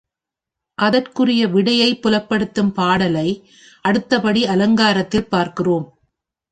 அதற்குரிய விடையைப் புலப்படுத்தும் பாடலை அடுத்தபடி அலங்காரத்தில் பார்க்கிறோம்.